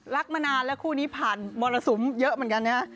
มานานแล้วคู่นี้ผ่านมรสุมเยอะเหมือนกันนะฮะ